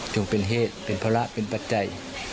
เป็นเหตุเป็นภาระเป็นปัจจัย